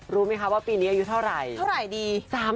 รู้ไหมคะว่าปีนี้อายุเท่าไหร่เท่าไหร่ดี